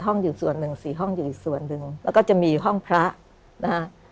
ห้องอยู่ส่วนหนึ่งสี่ห้องอยู่อีกส่วนหนึ่งแล้วก็จะมีห้องพระนะฮะ